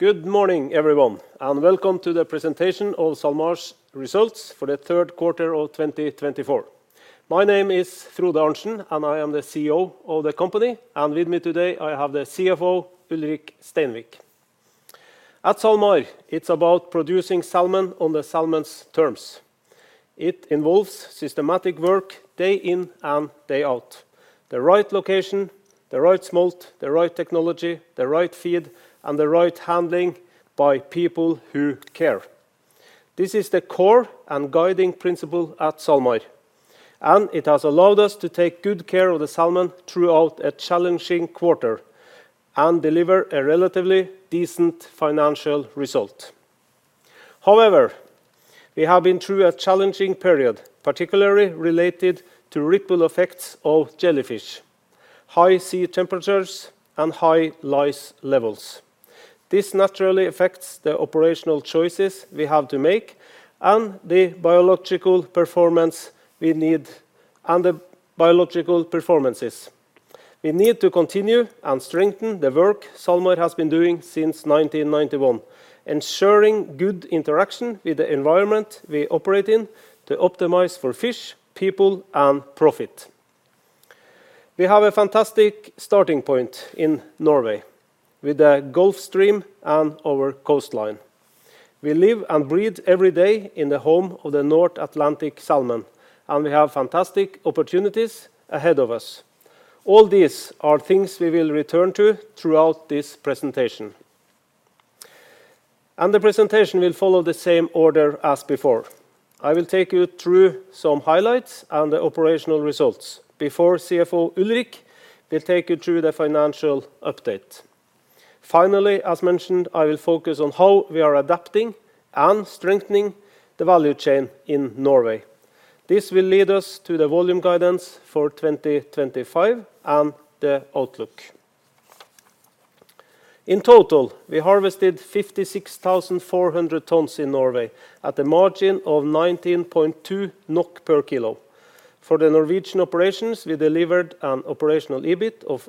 Good morning, everyone, and welcome to the presentation of SalMar's results for the third quarter of 2024. My name is Frode Arntsen, and I am the CEO of the company. With me today, I have the CFO, Ulrik Steinvik. At SalMar, it's about producing salmon on the salmon's terms. It involves systematic work day in and day out: the right location, the right smolt, the right technology, the right feed, and the right handling by people who care. This is the core and guiding principle at SalMar, and it has allowed us to take good care of the salmon throughout a challenging quarter and deliver a relatively decent financial result. However, we have been through a challenging period, particularly related to ripple effects of jellyfish, high sea temperatures, and high lice levels. This naturally affects the operational choices we have to make and the biological performance we need and the biological performances. We need to continue and strengthen the work SalMar has been doing since 1991, ensuring good interaction with the environment we operate in to optimize for fish, people, and profit. We have a fantastic starting point in Norway with the Gulf Stream and our coastline. We live and breathe every day in the home of the North Atlantic salmon, and we have fantastic opportunities ahead of us. All these are things we will return to throughout this presentation. And the presentation will follow the same order as before. I will take you through some highlights and the operational results. Before CFO Ulrik, we'll take you through the financial update. Finally, as mentioned, I will focus on how we are adapting and strengthening the value chain in Norway. This will lead us to the volume guidance for 2025 and the outlook. In total, we harvested 56,400 tons in Norway at a margin of 19.2 NOK per kilo. For the Norwegian operations, we delivered an operational EBIT of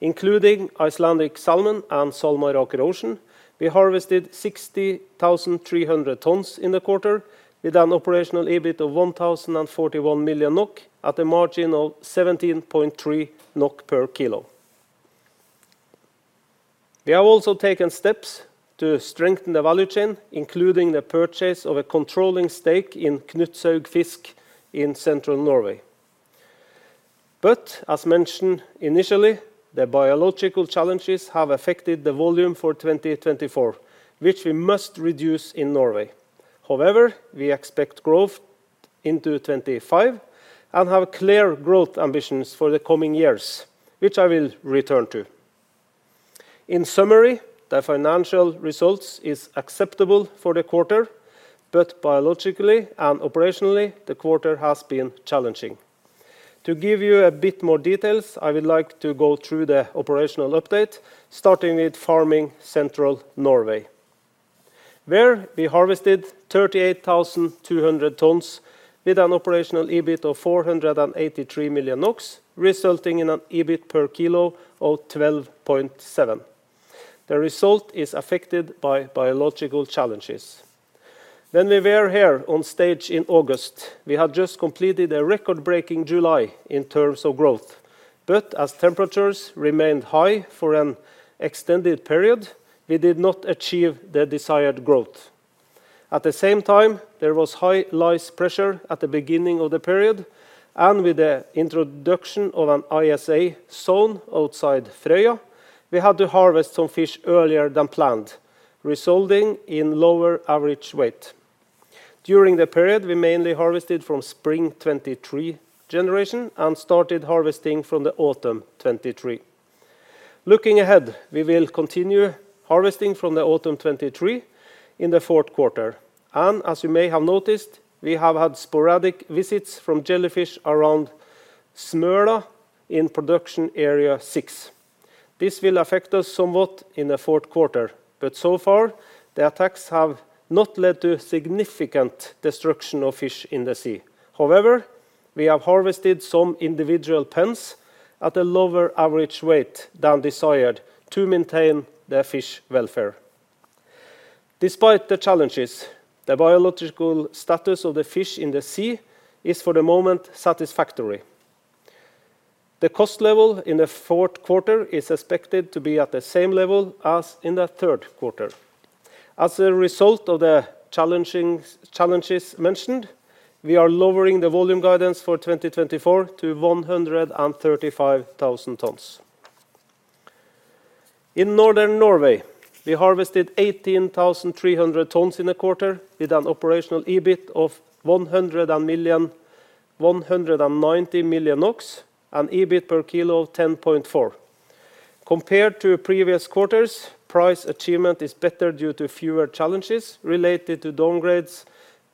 1,082 million NOK. Including Icelandic Salmon and SalMar Aker Ocean, we harvested 60,300 tons in the quarter with an operational EBIT of 1,041 million NOK at a margin of 17.3 NOK per kilo. We have also taken steps to strengthen the value chain, including the purchase of a controlling stake in Knutshaugfisk in Central Norway, but as mentioned initially, the biological challenges have affected the volume for 2024, which we must reduce in Norway. However, we expect growth into 2025 and have clear growth ambitions for the coming years, which I will return to. In summary, the financial results are acceptable for the quarter, but biologically and operationally, the quarter has been challenging. To give you a bit more details, I would like to go through the operational update, starting with farming Central Norway, where we harvested 38,200 tons with an operational EBIT of 483 million NOK, resulting in an EBIT per kilo of 12.7. The result is affected by biological challenges. When we were here on stage in August, we had just completed a record-breaking July in terms of growth, but as temperatures remained high for an extended period, we did not achieve the desired growth. At the same time, there was high lice pressure at the beginning of the period, and with the introduction of an ISA zone outside Frøya, we had to harvest some fish earlier than planned, resulting in lower average weight. During the period, we mainly harvested from spring 2023 generation and started harvesting from the autumn 2023. Looking ahead, we will continue harvesting from the autumn 2023 in the fourth quarter, and as you may have noticed, we have had sporadic visits from jellyfish around Smøla in production area 6. This will affect us somewhat in the fourth quarter, but so far, the attacks have not led to significant destruction of fish in the sea. However, we have harvested some individual pens at a lower average weight than desired to maintain the fish welfare. Despite the challenges, the biological status of the fish in the sea is, for the moment, satisfactory. The cost level in the fourth quarter is expected to be at the same level as in the third quarter. As a result of the challenges mentioned, we are lowering the volume guidance for 2024 to 135,000 tons. In northern Norway, we harvested 18,300 tons in the quarter with an operational EBIT of 190 million NOK, an EBIT per kilo of 10.4. Compared to previous quarters, price achievement is better due to fewer challenges related to downgrades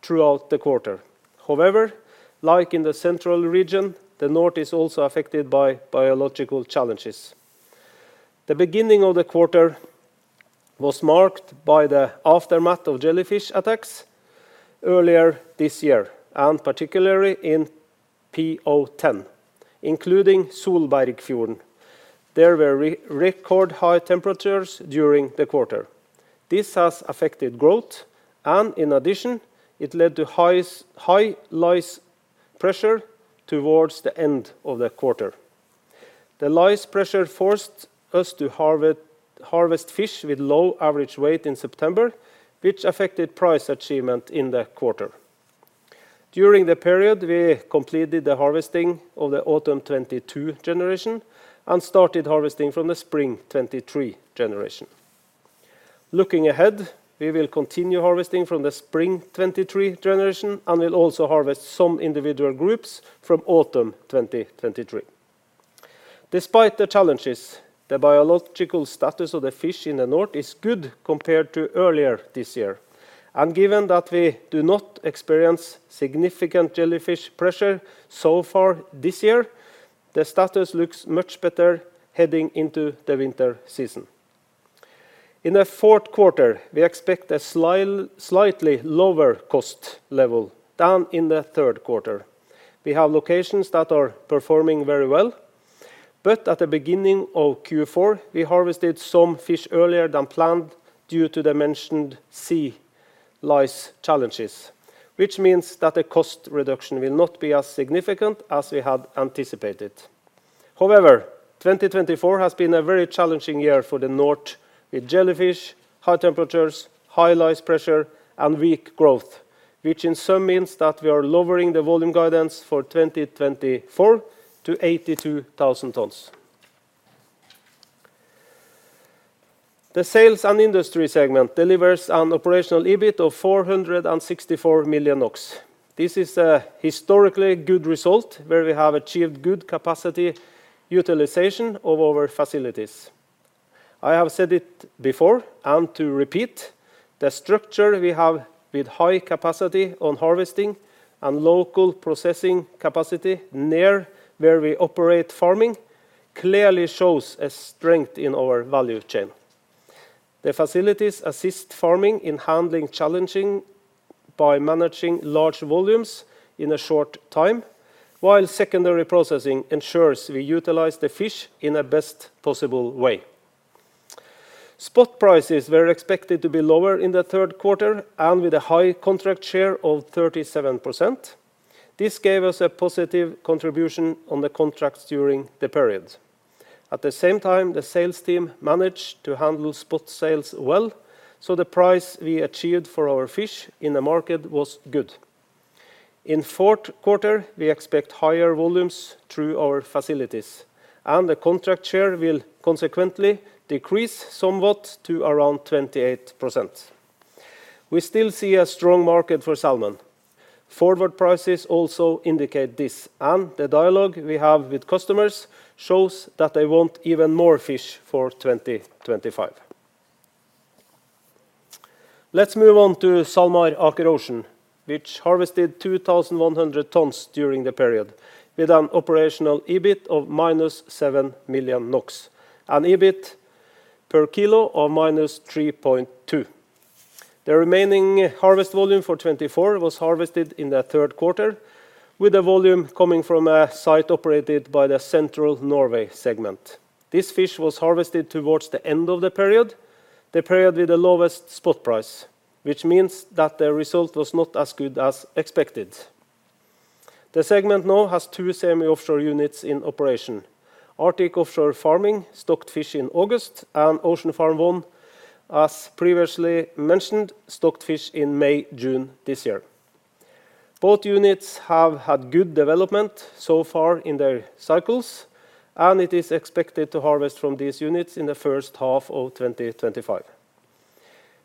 throughout the quarter. However, like in the central region, the north is also affected by biological challenges. The beginning of the quarter was marked by the aftermath of jellyfish attacks earlier this year, and particularly in PO10, including Solbergfjorden. There were record high temperatures during the quarter. This has affected growth, and in addition, it led to high lice pressure towards the end of the quarter. The lice pressure forced us to harvest fish with low average weight in September, which affected price achievement in the quarter. During the period, we completed the harvesting of the autumn 2022 generation and started harvesting from the spring 2023 generation. Looking ahead, we will continue harvesting from the spring 2023 generation and will also harvest some individual groups from autumn 2023. Despite the challenges, the biological status of the fish in the north is good compared to earlier this year. Given that we do not experience significant jellyfish pressure so far this year, the status looks much better heading into the winter season. In the fourth quarter, we expect a slightly lower cost level than in the third quarter. We have locations that are performing very well, but at the beginning of Q4, we harvested some fish earlier than planned due to the mentioned sea lice challenges, which means that the cost reduction will not be as significant as we had anticipated. However, 2024 has been a very challenging year for the north with jellyfish, high temperatures, high lice pressure, and weak growth, which, in some measure, means that we are lowering the volume guidance for 2024 to 82,000 tons. The sales and industry segment delivers an operational EBIT of 464 million NOK. This is a historically good result where we have achieved good capacity utilization of our facilities. I have said it before and to repeat, the structure we have with high capacity on harvesting and local processing capacity near where we operate farming clearly shows a strength in our value chain. The facilities assist farming in handling challenges by managing large volumes in a short time, while secondary processing ensures we utilize the fish in the best possible way. Spot prices were expected to be lower in the third quarter, and with a high contract share of 37%. This gave us a positive contribution on the contracts during the period. At the same time, the sales team managed to handle spot sales well, so the price we achieved for our fish in the market was good. In the fourth quarter, we expect higher volumes through our facilities, and the contract share will consequently decrease somewhat to around 28%. We still see a strong market for salmon. Forward prices also indicate this, and the dialogue we have with customers shows that they want even more fish for 2025. Let's move on to SalMar Aker Ocean, which harvested 2,100 tons during the period with an operational EBIT of minus 7 million NOK, an EBIT per kilo of minus 3.2. The remaining harvest volume for 2024 was harvested in the third quarter, with the volume coming from a site operated by the Central Norway segment. This fish was harvested towards the end of the period, the period with the lowest spot price, which means that the result was not as good as expected. The segment now has two semi-offshore units in operation: Arctic Offshore Farming, stocked fish in August, and Ocean Farm 1, as previously mentioned, stocked fish in May, June this year. Both units have had good development so far in their cycles, and it is expected to harvest from these units in the first half of 2025.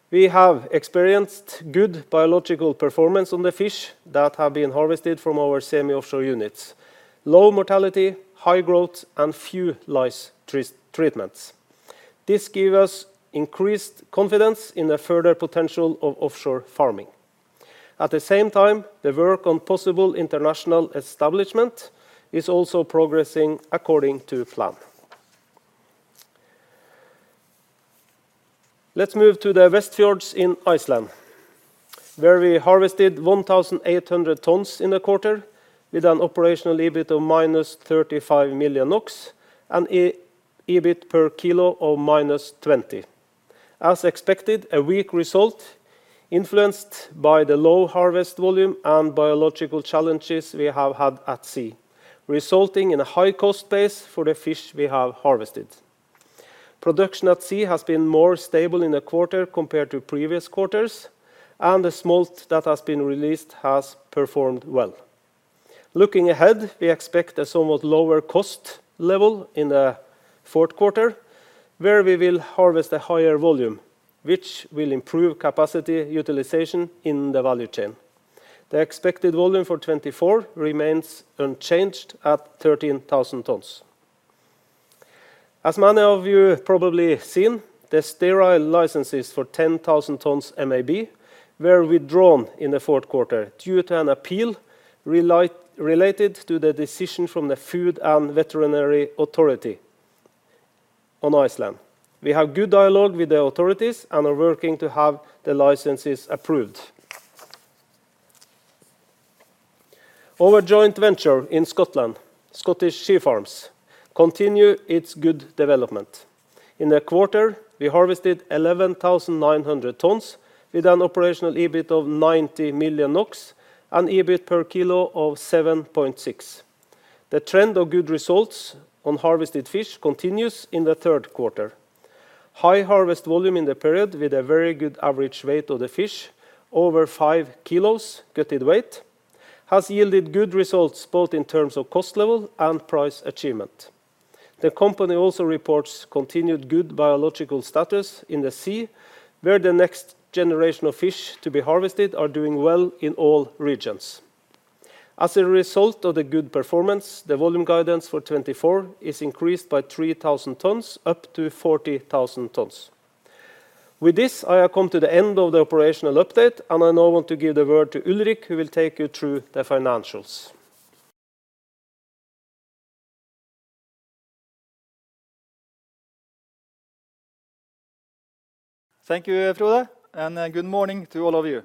We have experienced good biological performance on the fish that have been harvested from our semi-offshore units: low mortality, high growth, and few lice treatments. This gives us increased confidence in the further potential of offshore farming. At the same time, the work on possible international establishment is also progressing according to plan. Let's move to the Westfjords in Iceland, where we harvested 1,800 tons in the quarter with an operational EBIT of -35 million NOK and an EBIT per kilo of -20. As expected, a weak result influenced by the low harvest volume and biological challenges we have had at sea, resulting in a high cost base for the fish we have harvested. Production at sea has been more stable in the quarter compared to previous quarters, and the smolt that has been released has performed well. Looking ahead, we expect a somewhat lower cost level in the fourth quarter, where we will harvest a higher volume, which will improve capacity utilization in the value chain. The expected volume for 2024 remains unchanged at 13,000 tons. As many of you have probably seen, the sterile licenses for 10,000 tons MAB were withdrawn in the fourth quarter due to an appeal related to the decision from the Food and Veterinary Authority in Iceland. We have good dialogue with the authorities and are working to have the licenses approved. Our joint venture in Scotland, Scottish Sea Farms, continues its good development. In the quarter, we harvested 11,900 tons with an operational EBIT of 90 million NOK and an EBIT per kilo of 7.6. The trend of good results on harvested fish continues in the third quarter. High harvest volume in the period with a very good average weight of the fish, over five kilos gutted weight, has yielded good results both in terms of cost level and price achievement. The company also reports continued good biological status in the sea, where the next generation of fish to be harvested are doing well in all regions. As a result of the good performance, the volume guidance for 2024 is increased by 3,000 tons, up to 40,000 tons. With this, I have come to the end of the operational update, and I now want to give the word to Ulrik, who will take you through the financials. Thank you, Frode, and good morning to all of you.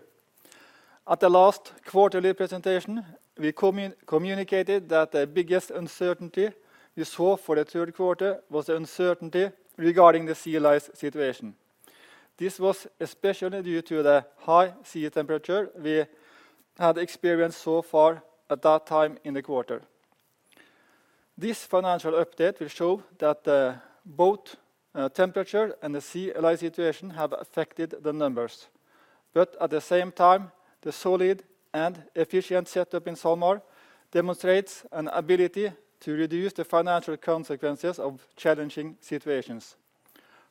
At the last quarterly presentation, we communicated that the biggest uncertainty we saw for the third quarter was the uncertainty regarding the sea lice situation. This was especially due to the high sea temperature we had experienced so far at that time in the quarter. This financial update will show that both temperature and the sea lice situation have affected the numbers, but at the same time, the solid and efficient setup in SalMar demonstrates an ability to reduce the financial consequences of challenging situations.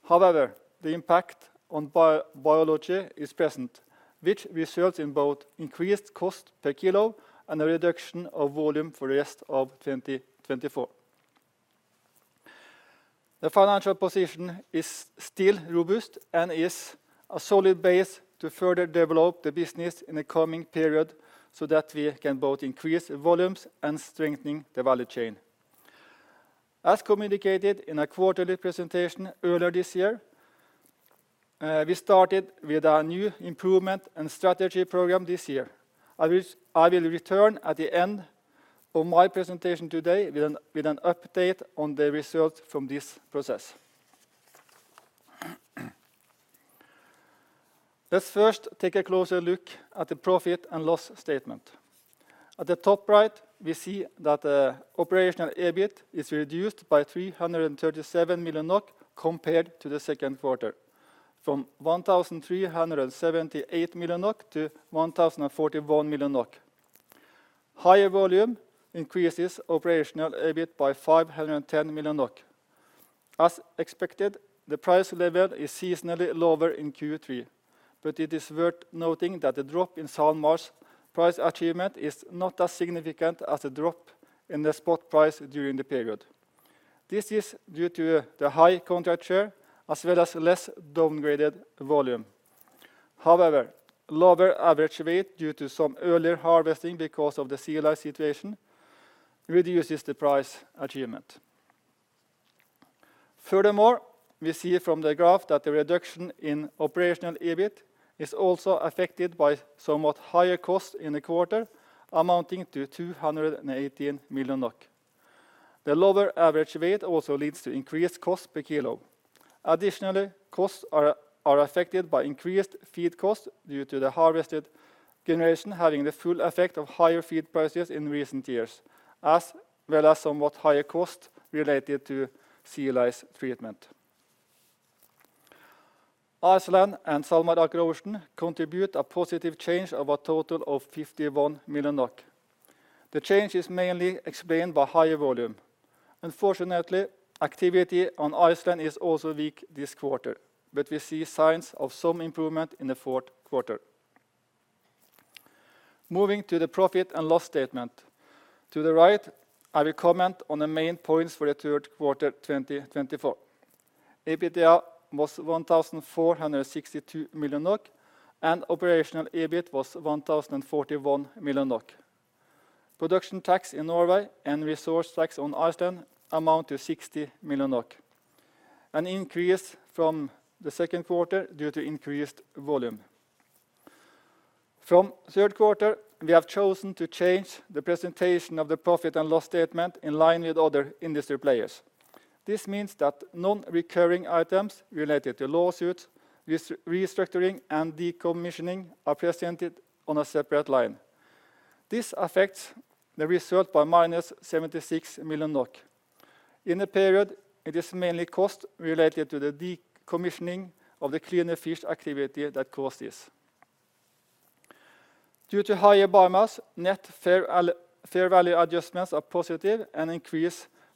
However, the impact on biology is present, which results in both increased cost per kilo and a reduction of volume for the rest of 2024. The financial position is still robust and is a solid base to further develop the business in the coming period so that we can both increase volumes and strengthen the value chain. As communicated in a quarterly presentation earlier this year, we started with a new improvement and strategy program this year. I will return at the end of my presentation today with an update on the results from this process. Let's first take a closer look at the profit and loss statement. At the top right, we see that the operational EBIT is reduced by 337 million NOK compared to the second quarter, from 1,378 million NOK to 1,041 million NOK. Higher volume increases operational EBIT by 510 million NOK. As expected, the price level is seasonally lower in Q3, but it is worth noting that the drop in SalMar's price achievement is not as significant as the drop in the spot price during the period. This is due to the high contract share as well as less downgraded volume. However, lower average weight due to some earlier harvesting because of the sea lice situation reduces the price achievement. Furthermore, we see from the graph that the reduction in operational EBIT is also affected by somewhat higher cost in the quarter, amounting to 218 million NOK. The lower average weight also leads to increased cost per kilo. Additionally, costs are affected by increased feed cost due to the harvested generation having the full effect of higher feed prices in recent years, as well as somewhat higher cost related to sea lice treatment. Iceland and SalMar Aker Ocean contribute a positive change of a total of 51 million NOK. The change is mainly explained by higher volume. Unfortunately, activity on Iceland is also weak this quarter, but we see signs of some improvement in the fourth quarter. Moving to the profit and loss statement. To the right, I will comment on the main points for the third quarter 2024. EBITDA was 1,462 million NOK, and operational EBIT was 1,041 million NOK. Production tax in Norway and resource tax on Iceland amount to 60 million NOK, an increase from the second quarter due to increased volume. From third quarter, we have chosen to change the presentation of the profit and loss statement in line with other industry players. This means that non-recurring items related to lawsuits, restructuring, and decommissioning are presented on a separate line. This affects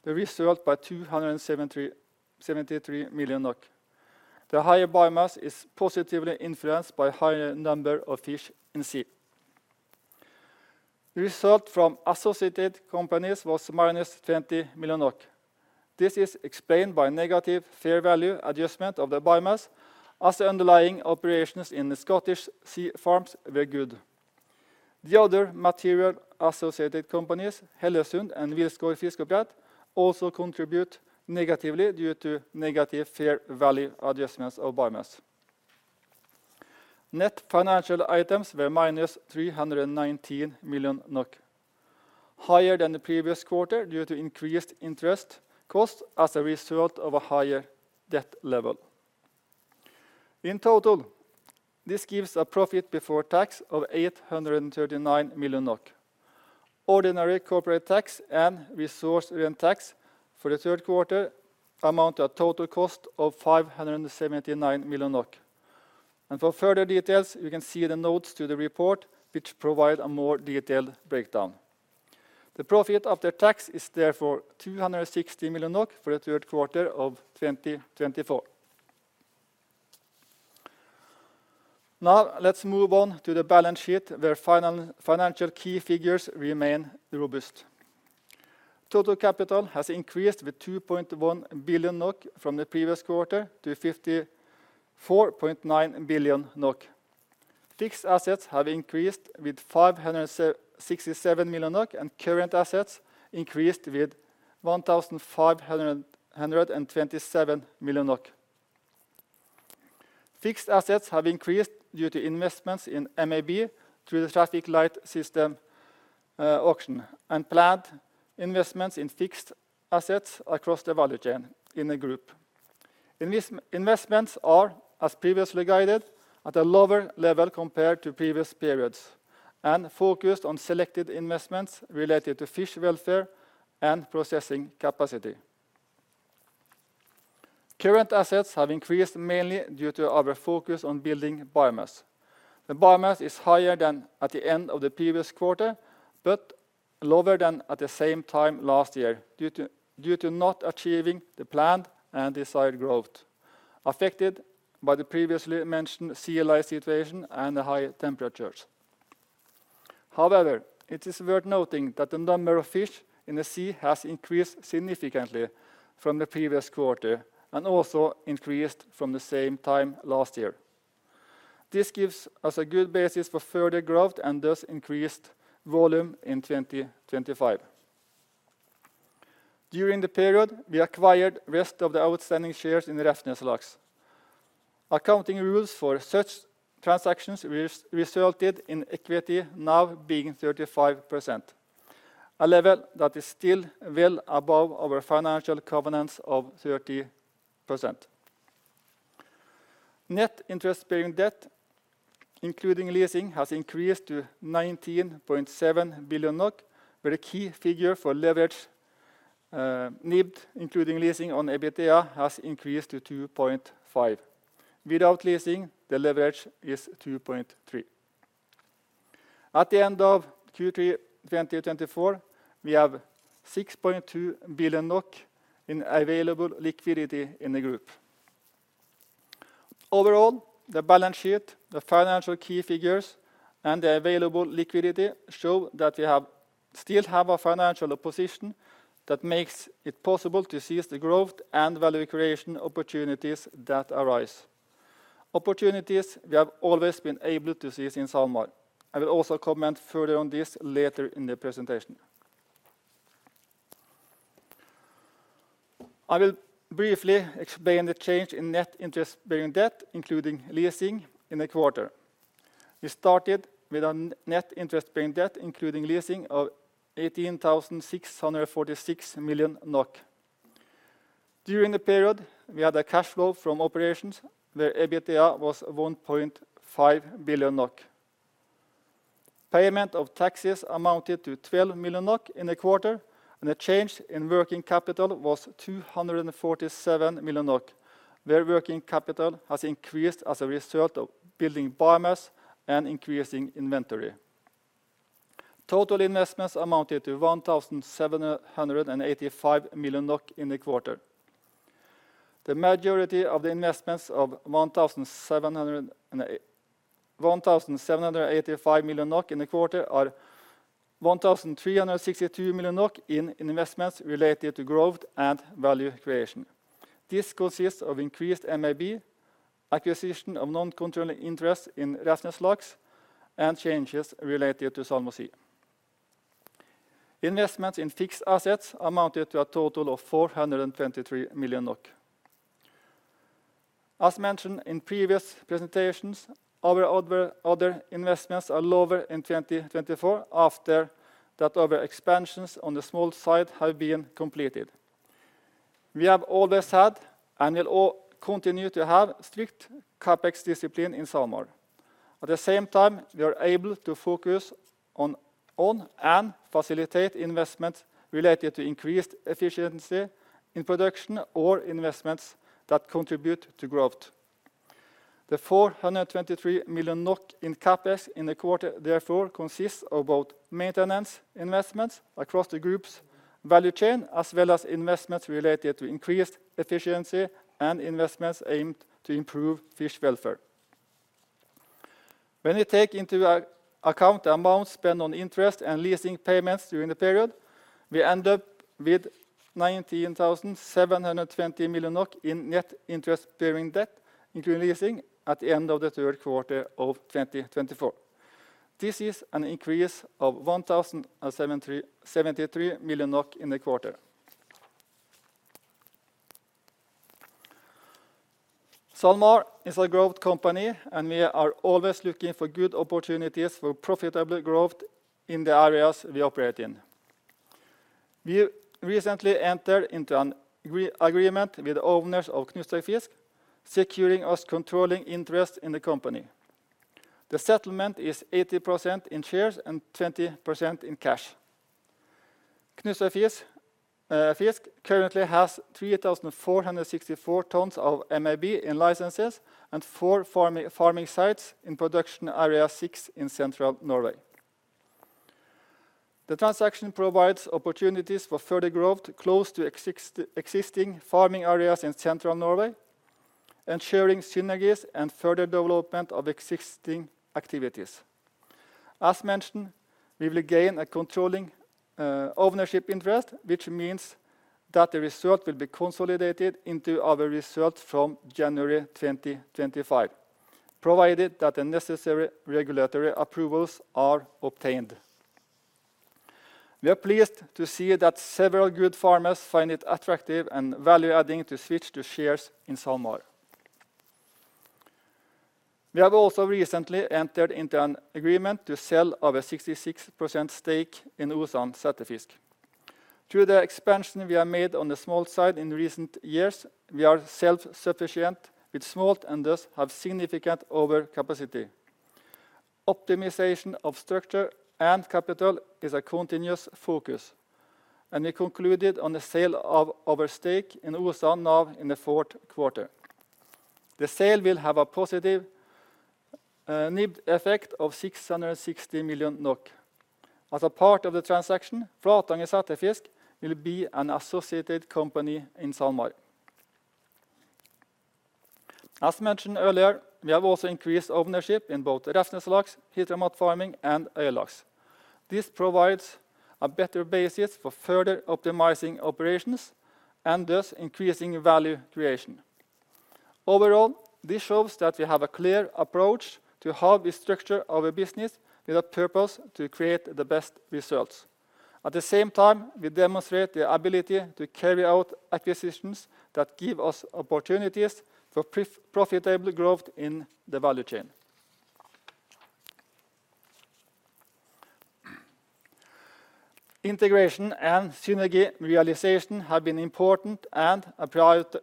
the result by -NOK 76 million. In the period, it is mainly cost related to the decommissioning of the cleaner fish activity that caused this. Due to higher biomass, net fair value adjustments are positive and increase the result by NOK 273 million. The higher biomass is positively influenced by a higher number of fish in sea. The result from associated companies was -20 million. This is explained by negative fair value adjustment of the biomass, as the underlying operations in the Scottish Sea Farms were good. The other material associated companies, Hellesund Fiskeoppdrett and Vilnes Fiskeoppdrett, also contribute negatively due to negative fair value adjustments of biomass. Net financial items were minus 319 million NOK, higher than the previous quarter due to increased interest cost as a result of a higher debt level. In total, this gives a profit before tax of 839 million NOK. Ordinary corporate tax and resource rent tax for the third quarter amount to a total cost of 579 million NOK. For further details, you can see the notes to the report, which provide a more detailed breakdown. The profit after tax is therefore 260 million for the third quarter of 2024. Now, let's move on to the balance sheet, where financial key figures remain robust. Total capital has increased with 2.1 billion NOK from the previous quarter to 54.9 billion NOK. Fixed assets have increased with 567 million NOK, and current assets increased with 1,527 million NOK. Fixed assets have increased due to investments in MAB through the Traffic Light System auction and planned investments in fixed assets across the value chain in the group. Investments are, as previously guided, at a lower level compared to previous periods and focused on selected investments related to fish welfare and processing capacity. Current assets have increased mainly due to our focus on building biomass. The biomass is higher than at the end of the previous quarter, but lower than at the same time last year due to not achieving the planned and desired growth affected by the previously mentioned sea lice situation and the high temperatures. However, it is worth noting that the number of fish in the sea has increased significantly from the previous quarter and also increased from the same time last year. This gives us a good basis for further growth and thus increased volume in 2025. During the period, we acquired the rest of the outstanding shares in the Refsnes Laks. Accounting rules for such transactions resulted in equity now being 35%, a level that is still well above our financial covenants of 30%. Net interest-bearing debt, including leasing, has increased to 19.7 billion NOK, where a key figure for leverage NIBD, including leasing on EBITDA, has increased to 2.5. Without leasing, the leverage is 2.3. At the end of Q3 2024, we have 6.2 billion NOK in available liquidity in the group. Overall, the balance sheet, the financial key figures, and the available liquidity show that we still have a financial position that makes it possible to seize the growth and value creation opportunities that arise. Opportunities we have always been able to seize in SalMar. I will also comment further on this later in the presentation. I will briefly explain the change in net interest-bearing debt, including leasing, in the quarter. We started with a net interest-bearing debt, including leasing, of 18,646 million NOK. During the period, we had a cash flow from operations where EBITDA was 1.5 billion NOK. Payment of taxes amounted to 12 million NOK in the quarter, and the change in working capital was 247 million NOK, where working capital has increased as a result of building biomass and increasing inventory. Total investments amounted to 1,785 million NOK in the quarter. The majority of the investments of 1,785 million NOK in the quarter are 1,362 million NOK in investments related to growth and value creation. This consists of increased MAB, acquisition of non-controlling interest in Refsnes Laks, and changes related to SalMar Aker Ocean. Investments in fixed assets amounted to a total of 423 million NOK. As mentioned in previous presentations, our other investments are lower in 2024 after that our securing us controlling interest in the company. The settlement is 80% in shares and 20% in cash. Knutshaugfisk currently has 3,464 tons of MAB in licenses and four farming sites in production area six in Central Norway. The transaction provides opportunities for further growth close to existing farming areas in Central Norway, ensuring synergies and further development of existing activities. As mentioned, we will gain a controlling ownership interest, which means that the result will be consolidated into our result from January 2025, provided that the necessary regulatory approvals are obtained. We are pleased to see that several good farmers find it attractive and value-adding to switch to shares in SalMar. We have also recently entered into an agreement to sell our 66% stake in Osan Sæterfisk. Through the expansion we have made on the smolt side in recent years, we are self-sufficient with smolt and thus have significant overcapacity. Optimization of structure and capital is a continuous focus, and we concluded on the sale of our stake in Osan Sæterfisk now in the fourth quarter. The sale will have a positive NIBD effect of NOK 660 million. As a part of the transaction, Flatanger Settefisk will be an associated company in SalMar. As mentioned earlier, we have also increased ownership in both Refsnes Laks, Knutshaugfisk, and Øylaks. This provides a better basis for further optimizing operations and thus increasing value creation. Overall, this shows that we have a clear approach to how we structure our business with a purpose to create the best results. At the same time, we demonstrate the ability to carry out acquisitions that give us opportunities for profitable growth in the value chain. Integration and synergy realization have been important and prioritized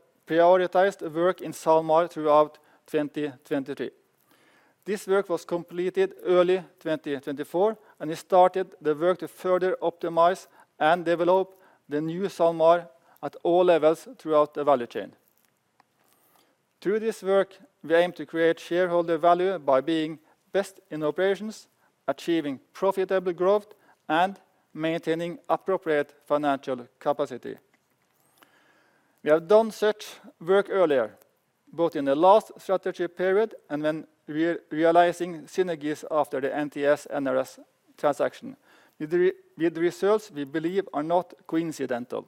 work in SalMar throughout 2023. This work was completed early 2024, and we started the work to further optimize and develop the new SalMar at all levels throughout the value chain. Through this work, we aim to create shareholder value by being best in operations, achieving profitable growth, and maintaining appropriate financial capacity. We have done such work earlier, both in the last strategy period and when realizing synergies after the NTS-NRS transaction, with results we believe are not coincidental.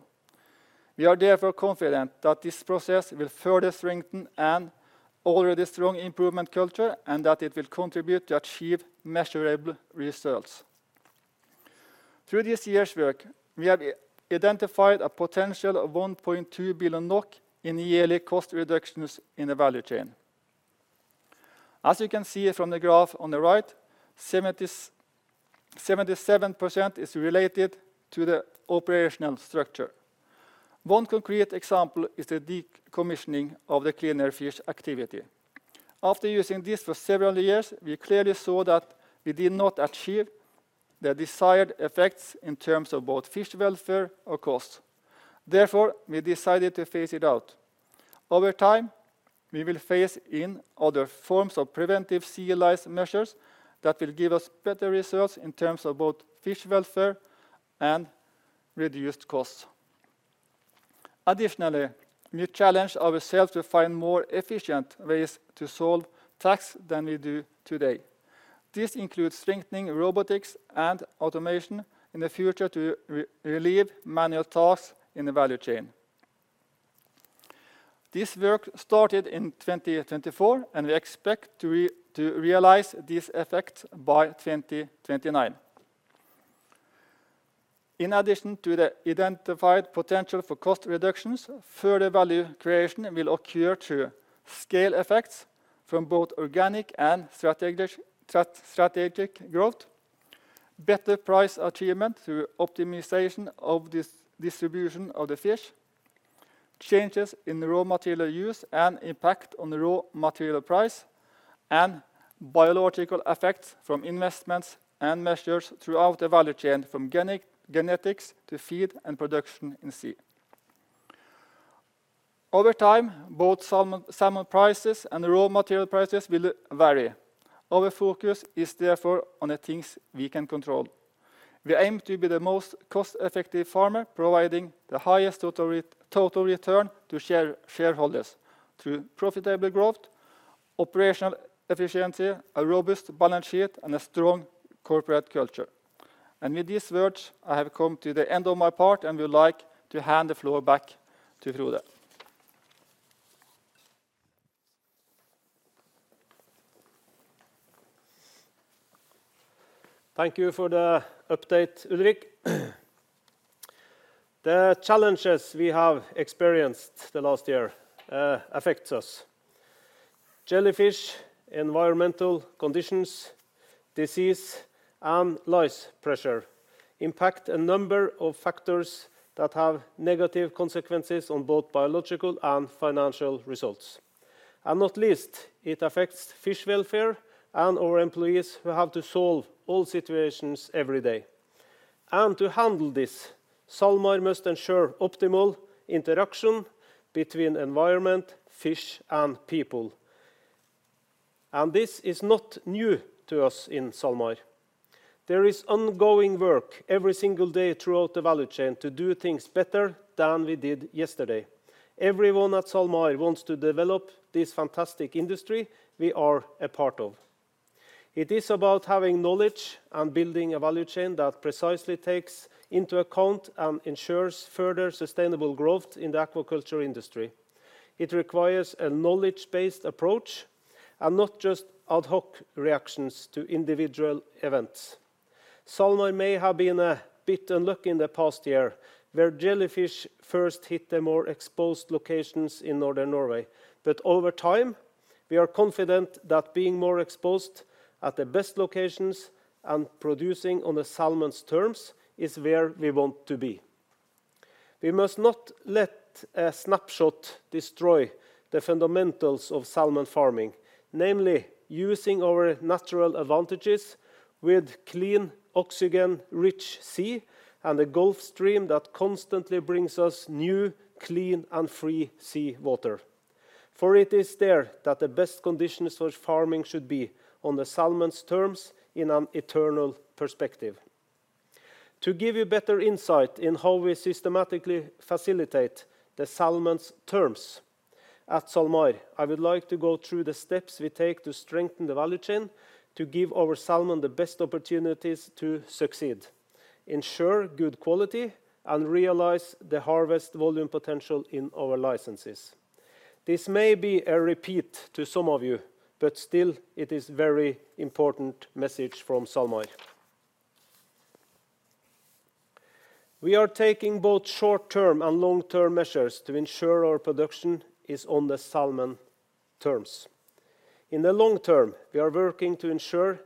We are therefore confident that this process will further strengthen an already strong improvement culture and that it will contribute to achieve measurable results. Through this year's work, we have identified a potential of 1.2 billion NOK in yearly cost reductions in the value chain. As you can see from the graph on the right, 77% is related to the operational structure. One concrete example is the decommissioning of the cleaner fish activity. After using this for several years, we clearly saw that we did not achieve the desired effects in terms of both fish welfare or costs. Therefore, we decided to phase it out. Over time, we will phase in other forms of preventive sea lice measures that will give us better results in terms of both fish welfare and reduced costs. Additionally, we challenge ourselves to find more efficient ways to solve tasks than we do today. This includes strengthening robotics and automation in the future to relieve manual tasks in the value chain. This work started in 2024, and we expect to realize these effects by 2029. In addition to the identified potential for cost reductions, further value creation will occur through scale effects from both organic and strategic growth, better price achievement through optimization of the distribution of the fish, changes in raw material use and impact on raw material price, and biological effects from investments and measures throughout the value chain from genetics to feed and production in sea. Over time, both salmon prices and raw material prices will vary. Our focus is therefore on the things we can control. We aim to be the most cost-effective farmer, providing the highest total return to shareholders through profitable growth, operational efficiency, a robust balance sheet, and a strong corporate culture. And with these words, I have come to the end of my part, and we would like to hand the floor back to Frode. Thank you for the update, Ulrik. The challenges we have experienced the last year affect us. Jellyfish, environmental conditions, disease, and lice pressure impact a number of factors that have negative consequences on both biological and financial results, and not least, it affects fish welfare and our employees who have to solve all situations every day. And to handle this, SalMar must ensure optimal interaction between environment, fish, and people. And this is not new to us in SalMar. There is ongoing work every single day throughout the value chain to do things better than we did yesterday. Everyone at SalMar wants to develop this fantastic industry we are a part of. It is about having knowledge and building a value chain that precisely takes into account and ensures further sustainable growth in the aquaculture industry. It requires a knowledge-based approach and not just ad hoc reactions to individual events. SalMar may have been a bit unlucky in the past year, where jellyfish first hit the more exposed locations in Northern Norway. But over time, we are confident that being more exposed at the best locations and producing on the salmon's terms is where we want to be. We must not let a snapshot destroy the fundamentals of salmon farming, namely using our natural advantages with clean, oxygen-rich sea and a Gulf Stream that constantly brings us new, clean, and free sea water. For it is there that the best conditions for farming should be on the salmon's terms in an eternal perspective. To give you better insight in how we systematically facilitate the salmon's terms at SalMar, I would like to go through the steps we take to strengthen the value chain to give our salmon the best opportunities to succeed, ensure good quality, and realize the harvest volume potential in our licenses. This may be a repeat to some of you, but still, it is a very important message from SalMar. We are taking both short-term and long-term measures to ensure our production is on the salmon terms. In the long term, we are working to ensure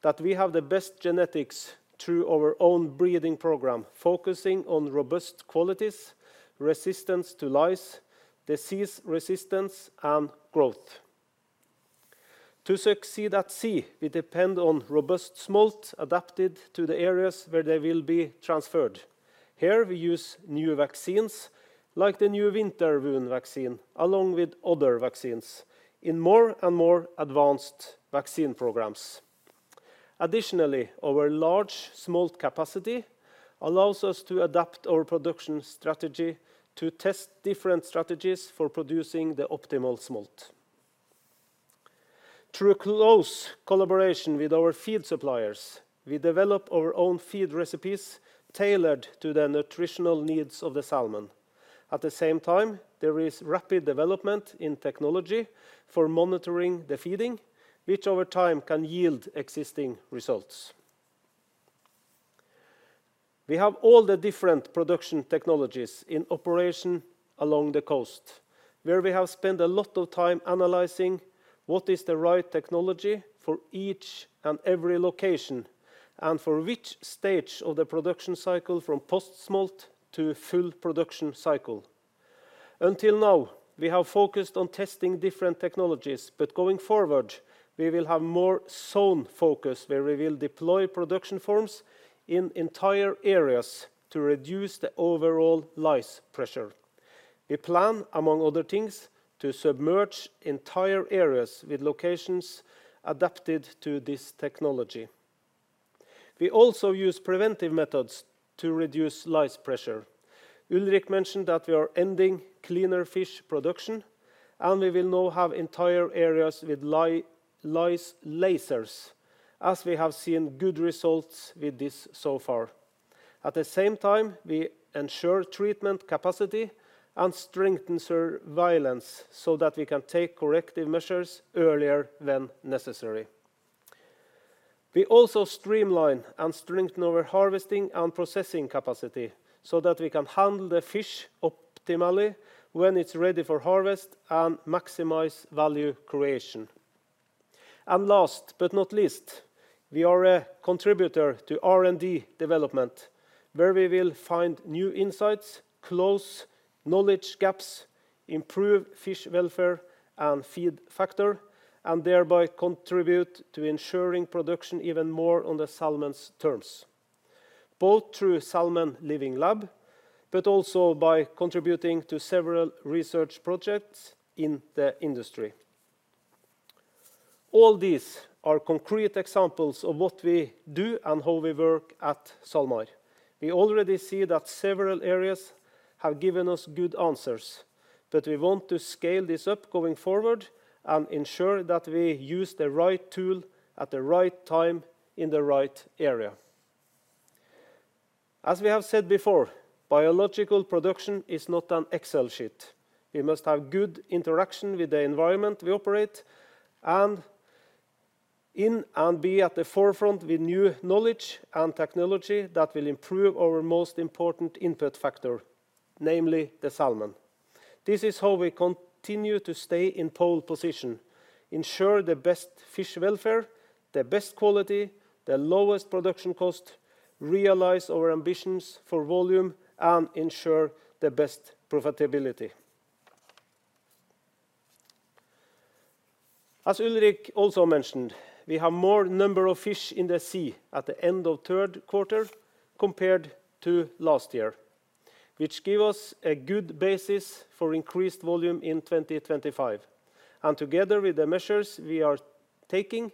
that we have the best genetics through our own breeding program, focusing on robust qualities, resistance to lice, disease resistance, and growth. To succeed at sea, we depend on robust smolt adapted to the areas where they will be transferred. Here, we use new vaccines like the new winter ulcer vaccine, along with other vaccines in more and more advanced vaccine programs. Additionally, our large smolt capacity allows us to adapt our production strategy to test different strategies for producing the optimal smolt. Through close collaboration with our feed suppliers, we develop our own feed recipes tailored to the nutritional needs of the salmon. At the same time, there is rapid development in technology for monitoring the feeding, which over time can yield exciting results. We have all the different production technologies in operation along the coast, where we have spent a lot of time analyzing what is the right technology for each and every location and for which stage of the production cycle from post-smolt to full production cycle. Until now, we have focused on testing different technologies, but going forward, we will have more zone focus where we will deploy production farms in entire areas to reduce the overall lice pressure. We plan, among other things, to submerge entire areas with locations adapted to this technology. We also use preventive methods to reduce lice pressure. Ulrik mentioned that we are ending cleaner fish production, and we will now have entire areas with lice lasers, as we have seen good results with this so far. At the same time, we ensure treatment capacity and strengthen surveillance so that we can take corrective measures earlier when necessary. We also streamline and strengthen our harvesting and processing capacity so that we can handle the fish optimally when it's ready for harvest and maximize value creation. And last but not least, we are a contributor to R&D development, where we will find new insights, close knowledge gaps, improve fish welfare and feed factor, and thereby contribute to ensuring production even more on the salmon's terms, both through Salmon Living Lab, but also by contributing to several research projects in the industry. All these are concrete examples of what we do and how we work at SalMar. We already see that several areas have given us good answers, but we want to scale this up going forward and ensure that we use the right tool at the right time in the right area. As we have said before, biological production is not an Excel sheet. We must have good interaction with the environment we operate in and be at the forefront with new knowledge and technology that will improve our most important input factor, namely the salmon. This is how we continue to stay in pole position, ensure the best fish welfare, the best quality, the lowest production cost, realize our ambitions for volume, and ensure the best profitability. As Ulrik also mentioned, we have more number of fish in the sea at the end of third quarter compared to last year, which gives us a good basis for increased volume in 2025. And together with the measures we are taking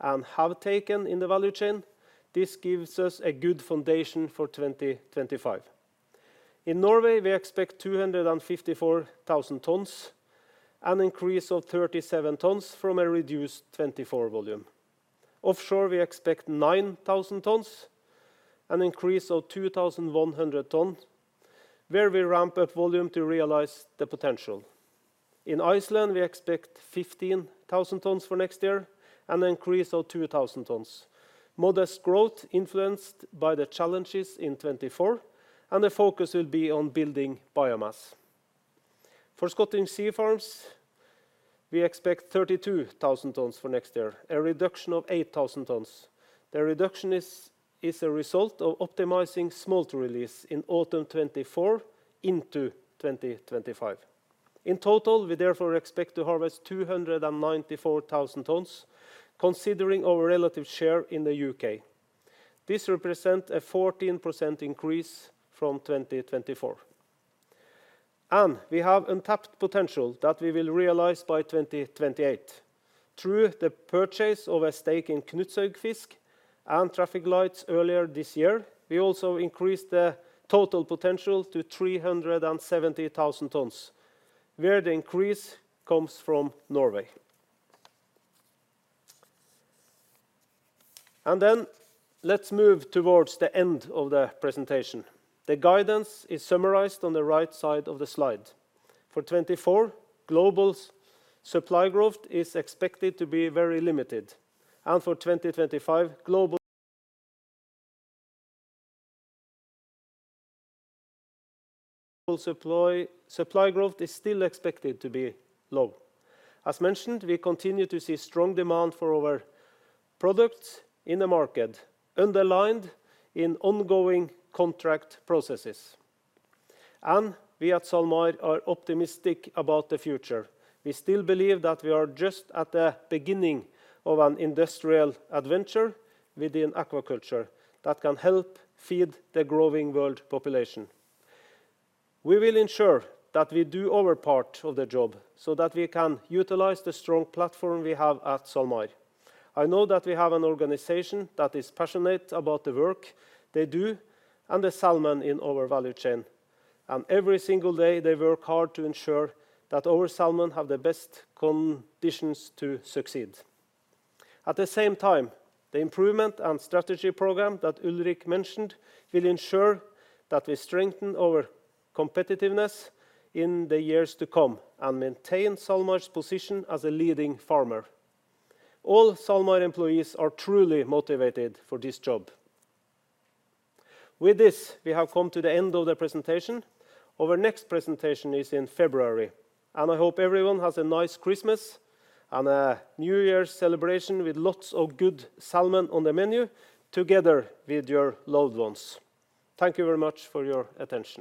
and have taken in the value chain, this gives us a good foundation for 2025. In Norway, we expect 254,000 tons and an increase of 37 tons from a reduced 2024 volume. Offshore, we expect 9,000 tons, an increase of 2,100 tons, where we ramp up volume to realize the potential. In Iceland, we expect 15,000 tons for next year and an increase of 2,000 tons. Modest growth influenced by the challenges in 2024, and the focus will be on building biomass. For Scottish Sea Farms, we expect 32,000 tons for next year, a reduction of 8,000 tons. The reduction is a result of optimizing smolt release in autumn 2024 into 2025. In total, we therefore expect to harvest 294,000 tons, considering our relative share in the UK. This represents a 14% increase from 2024, and we have untapped potential that we will realize by 2028. Through the purchase of a stake in Knutshaugfisk and traffic lights earlier this year, we also increased the total potential to 370,000 tons, where the increase comes from Norway. Then let's move towards the end of the presentation. The guidance is summarized on the right side of the slide. For 2024, global supply growth is expected to be very limited, and for 2025, global supply growth is still expected to be low. As mentioned, we continue to see strong demand for our products in the market, underlined in ongoing contract processes. We at SalMar are optimistic about the future. We still believe that we are just at the beginning of an industrial adventure within aquaculture that can help feed the growing world population. We will ensure that we do our part of the job so that we can utilize the strong platform we have at SalMar. I know that we have an organization that is passionate about the work they do and the salmon in our value chain. And every single day, they work hard to ensure that our salmon have the best conditions to succeed. At the same time, the improvement and strategy program that Ulrik mentioned will ensure that we strengthen our competitiveness in the years to come and maintain SalMar's position as a leading farmer. All SalMar employees are truly motivated for this job. With this, we have come to the end of the presentation. Our next presentation is in February, and I hope everyone has a nice Christmas and a New Year's celebration with lots of good salmon on the menu together with your loved ones. Thank you very much for your attention.